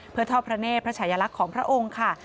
เพื่อทอดพระเนธพระชายลักษณ์ของพระองค์ค่ะ